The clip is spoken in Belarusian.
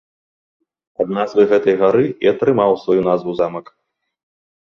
Ад назвы гэтай гары і атрымаў сваю назву замак.